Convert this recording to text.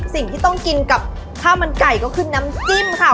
สิ่งที่ต้องกินกับข้าวมันไก่ก็คือน้ำจิ้มค่ะ